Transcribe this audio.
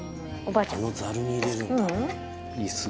「あのザルに入れるんだ」